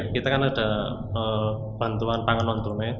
kita kan ada bantuan panganan tunai